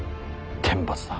天罰だ。